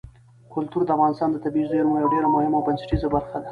کلتور د افغانستان د طبیعي زیرمو یوه ډېره مهمه او بنسټیزه برخه ده.